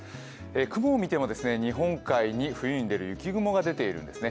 雲を見ても日本海に、冬に出る雪雲が出ているんですね。